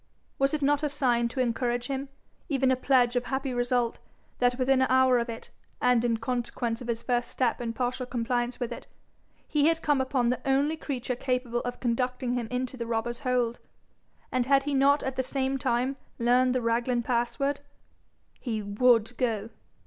Was it not a sign to encourage him, even a pledge of happy result, that, within an hour of it, and in consequence of his first step in partial compliance with it, he had come upon the only creature capable of conducting him into the robber's hold? And had he not at the same time learned the Raglan password? He WOULD go.